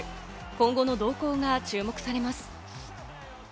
今後の動向が注目されます。